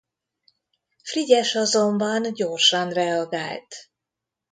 Frigyes azonban gyorsan reagált.